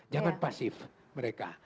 jangan pasif mereka